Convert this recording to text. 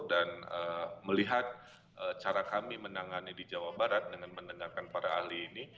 dan melihat cara kami menangani di jawa barat dengan mendengarkan para ahli ini